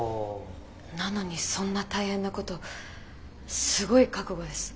なのにそんな大変なことすごい覚悟です。